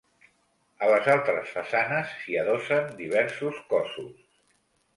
A les altres façanes s'hi adossen diversos cossos.